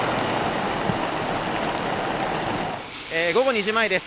午後２時前です。